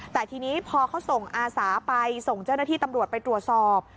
แต่ทีนี้พอเขาส่งอาสาไปส่งเจ้าหน้าที่ตำรวจไปตรวจสอบ